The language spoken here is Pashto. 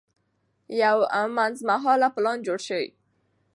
یو منځمهاله پلان جوړ شي.